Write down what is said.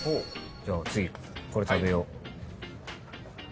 じゃあ次これ食べよう。